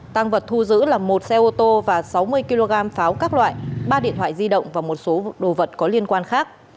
tăng vật thu giữ là một xe ô tô và sáu mươi kg pháo các loại ba điện thoại di động và một số đồ vật có liên quan khác